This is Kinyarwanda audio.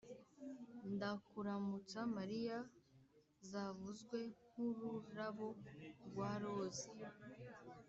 ndakuramutsa mariya zavuzwe nk’ururabo rwa roza